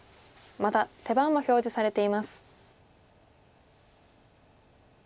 また手番も表示されています。